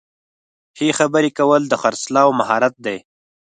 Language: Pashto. ښه خبرې کول د خرڅلاو مهارت دی.